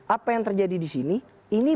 apa yang terjadi di sini ini